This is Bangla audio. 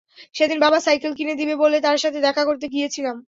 সেদিন বাবা সাইকেল কিনে দিবে বলে তার সাথে দেখা করতে গিয়েছিলাম।